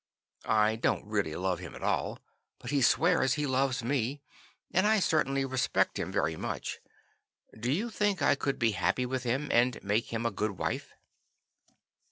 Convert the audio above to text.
I don't really love him at all, but he swears he loves me, and I certainly respect him very much. Do you think I could be happy with him and make him a good wife?"